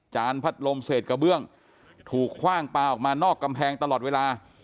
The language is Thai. พัดลมเศษกระเบื้องถูกคว่างปลาออกมานอกกำแพงตลอดเวลา